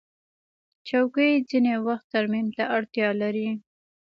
چوکۍ ځینې وخت ترمیم ته اړتیا لري.